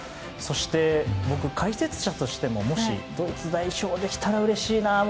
そして、解説者としてももしドイツ代表ができたらうれしいな。